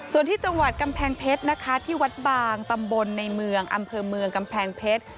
ส่วนที่จังหวัดกำแพงเพชรนะคะที่วัดบางตำบลในเมืองอำเภอเมืองกำแพงเพชร